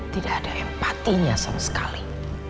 tidak ada empatinya sama sekali